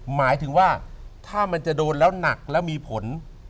หมายถึงว่าถ้ามันจะโดนแล้วหนักแล้วมีผล